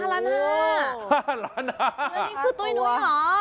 แล้วนี่คือตุ้ยนุ้ยเหรอ